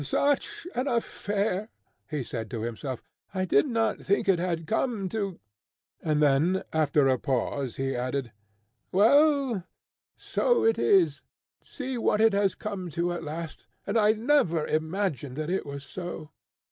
"Such an affair!" he said to himself. "I did not think it had come to " and then after a pause, he added, "Well, so it is! see what it has come to at last! and I never imagined that it was so!"